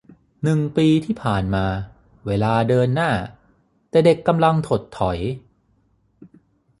หนึ่งปีที่ผ่านมา เวลาเดินหน้า แต่เด็กกำลังถดถอย